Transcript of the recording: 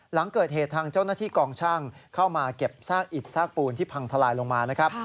หลังเกิดเหตุทางเจ้าหน้าที่กองช่างเข้ามาเก็บซากอิดซากปูนที่พังทลายลงมานะครับ